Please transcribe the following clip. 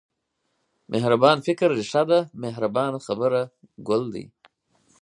مهربان فکر رېښه ده مهربانه خبره ګل دی.